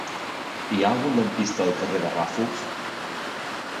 Hi ha algun lampista al carrer de Ràfols?